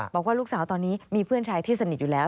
บอกว่าลูกสาวตอนนี้มีเพื่อนชายที่สนิทอยู่แล้ว